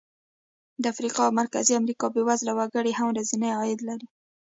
د افریقا او مرکزي امریکا بېوزله وګړي هم ورځنی عاید لري.